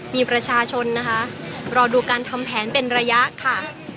มีประชาชนนะคะรอดูการทำแผนเป็นระยะค่ะ